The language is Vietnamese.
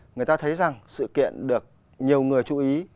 người ta thấy rằng sự kiện được nhiều người chú ý